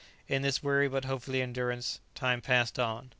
In this weary but hopeful endurance time passed on.